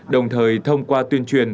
đồng thời thông qua tuyên truyền